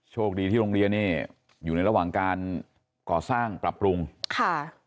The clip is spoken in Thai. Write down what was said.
โชคดีที่โรงเรียนนี่อยู่ในระหว่างการก่อสร้างปรับปรุงค่ะ